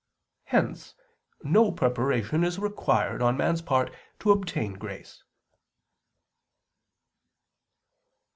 Hence no preparation is required on man's part to obtain grace.